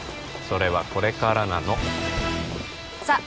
それはこれからなのさあ